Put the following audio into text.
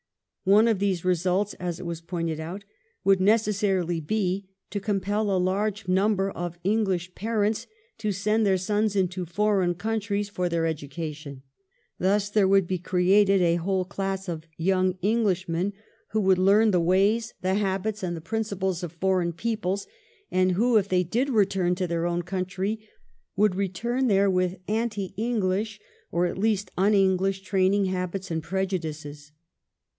One of these results, as it was pointed out, would necessarily be to compel a large number of English parents to send their sons into foreign countries for their education. Thus there would be created a whole class of young Englishmen who would learn 1714 THE BILL IN THE LORDS. 343 the ways, the habits, and the principles of foreign peoples, and who, if they did return to their own country, would return there with anti English, or at least un English, training, habits, and prejudices.